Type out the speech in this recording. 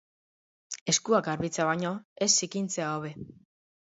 Eskuak garbitzea baino, ez zikintzea hobe.